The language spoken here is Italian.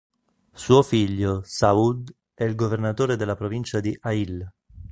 Suo figlio, Saʿūd, è il governatore della provincia di Ha'il.